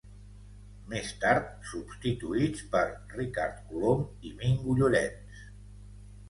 Més tard, substituïts per Ricard Colom i Mingo Llorenç.